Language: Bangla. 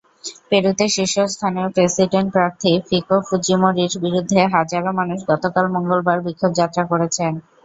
পেরুতে শীর্ষস্থানীয় প্রেসিডেন্ট প্রার্থী কিকো ফুজিমোরির বিরুদ্ধে হাজারো মানুষ গতকাল মঙ্গলবার বিক্ষোভযাত্রা করেছেন।